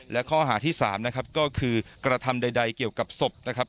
และข้อหาที่๓นะครับก็คือกระทำใดเกี่ยวกับศพนะครับ